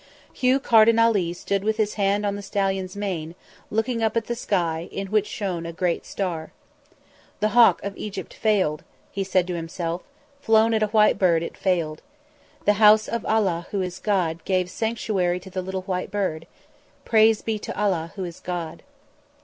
Hugh Carden Ali stood with his hand on the stallion's mane, looking up at the sky, in which shone a great star. "The hawk of Egypt failed," he said to himself. "Flown at a white bird, it failed. The House of Allah, who is God, gave sanctuary to the little white bird. Praise be to Allah who is God."